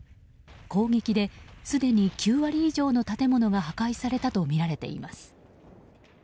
攻撃ですでに９割以上の建物が破壊されたとみられています。